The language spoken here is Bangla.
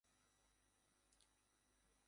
এই ফলাফলটি তারার পৃষ্ঠ থেকে দেখা যায়না।